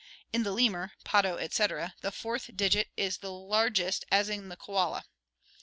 In the lemur (potto, etc.), the fourth digit is the largest as in the koala.